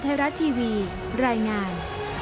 โปรดติดตามตอนต่อไป